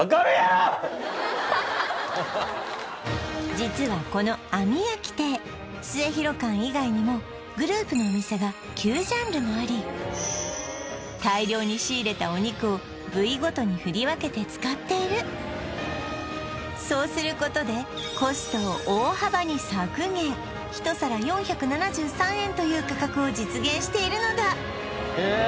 実はこのあみやき亭スエヒロ館以外にもグループのお店が９ジャンルもあり大量に仕入れたお肉を部位ごとに振り分けて使っているそうすることでコストを大幅に削減１皿４７３円という価格を実現しているのだへえ